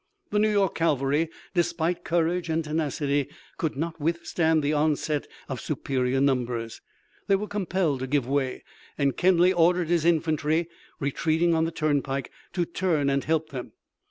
The New York cavalry, despite courage and tenacity, could not withstand the onset of superior numbers. They were compelled to give way, and Kenly ordered his infantry, retreating on the turnpike, to turn and help them.